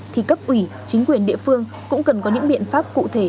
thì cấp ủy chính quyền địa phương cũng cần có những biện pháp cụ thể